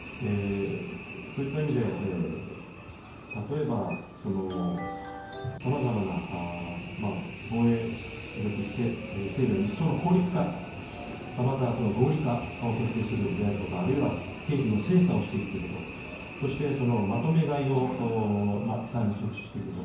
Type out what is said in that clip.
そういった意味で例えば、さまざまな防衛力整備の一層の効率化、また合理化を徹底するであるとか、あるいは経費の精査をしていくということ、そしてまとめ買いをさらに促進していくと。